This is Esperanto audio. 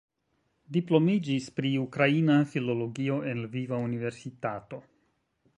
Diplomiĝis pri ukraina filologio en Lviva Universitato.